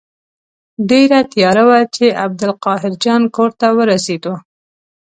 ډېره تیاره وه چې عبدالقاهر جان کور ته ورسېدو.